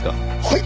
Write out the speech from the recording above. はい！